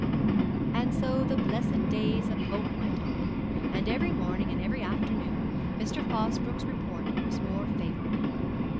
And so the blessed days of hope went on, and every morning and every afternoon Mr. Fosbroke's report was more favourable.